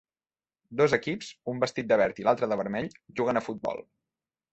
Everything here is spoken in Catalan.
Dos equips, un vestit de verd i l'altre de vermell, juguen a futbol.